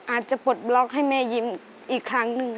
อาจจะปลดบล็อกให้แหมยิ้มอีกครั้งนึง